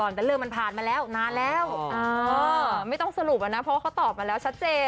เรื่องมันผ่านมาแล้ว